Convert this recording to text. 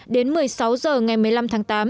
đến một mươi sáu h ngày một mươi năm tháng tám